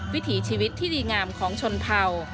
วิถีชีวิตที่ดีงามของชนเผ่า